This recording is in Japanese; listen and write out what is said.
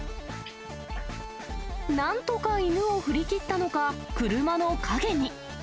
なんとか犬を振り切ったのか、車の陰に。